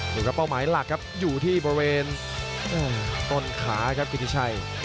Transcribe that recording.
ดูครับเป้าหมายหลักครับอยู่ที่บริเวณต้นขาครับกิติชัย